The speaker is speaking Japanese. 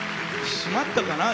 締まったかな？